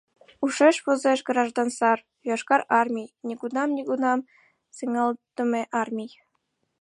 Ушеш возеш граждан сар, Йошкар Армий, нигунам, нигунам сеҥалтдыме армий.